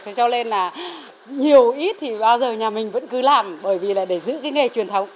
thế cho nên là nhiều ít thì bao giờ nhà mình vẫn cứ làm bởi vì là để giữ cái nghề truyền thống